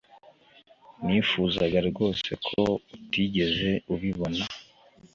nifuzaga rwose ko utigeze ubibona